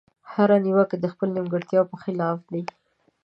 هره نيوکه د خپلې نيمګړتيا په خلاف ده.